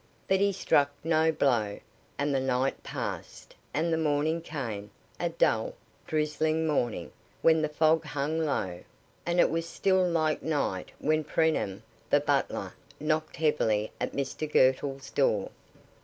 But he struck no blow, and the night passed, and the morning came a dull, drizzling morning when the fog hung low, and it was still like night when Preenham, the butler, knocked heavily at Mr Girtle's door.